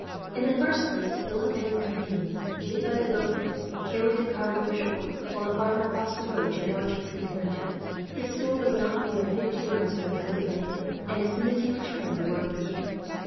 In the first place Philip and his companions, aided by the boatmen, carried the cargo ashore; while the farmer crossed the road to the merchant with whom he dealt. His store was not more than fifty yards from the place of landing and, as soon as he returned, the work began.